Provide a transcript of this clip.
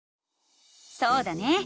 そうだね！